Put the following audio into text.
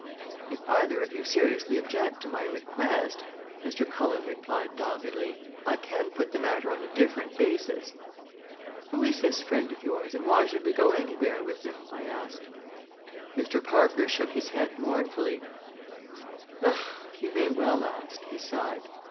"If either of you seriously object to my request," Mr. Cullen replied doggedly, "I can put the matter on a different basis." "Who is this friend of yours and why should we go anywhere with him?" I asked. Mr. Parker shook his head mournfully. "You may well ask," he sighed.